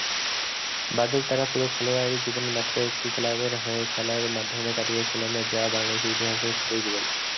বাদল তারা পুরো খেলোয়াড়ি জীবন মাত্র একটি ক্লাবের হয়ে খেলার মাধ্যমে কাটিয়েছিলেন, যা বাংলাদেশের ইতিহাসের খুবই বিরল।